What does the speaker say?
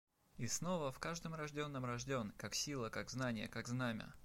И снова в каждом рожденном рожден — как сила, как знанье, как знамя.